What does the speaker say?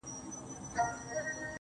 د زيارتـونو يې خورده ماتـه كـړه,